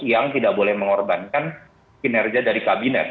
yang tidak boleh mengorbankan kinerja dari kabinet